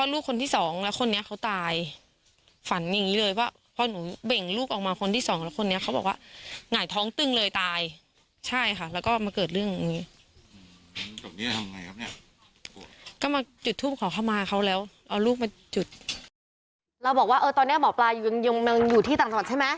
เราบอกว่าตอนนี้หมอปลายงยงอยู่ที่ต่างใช่ไหม